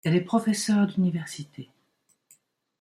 Elle est professeure d'université.